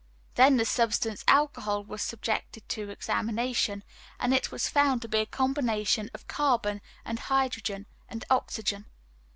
Then the substance alcohol was subjected to examination, and it was found to be a combination of carbon, and hydrogen, and oxygen.